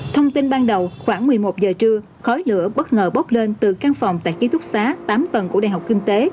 thông tin ban đầu khoảng một mươi một giờ trưa khói lửa bất ngờ bốc lên từ căn phòng tại ký túc xá tám tầng của đại học kinh tế